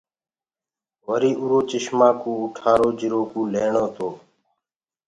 وري اُرو چشمآ ڪوُ اُٺآرو جِرو ڪُو ليڻو تو۔